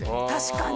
確かに。